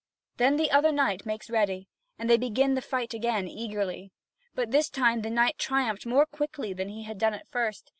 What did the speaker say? Then the other knight makes ready, and they begin the fight again eagerly. But this time the knight triumphed more quickly than he had done at first.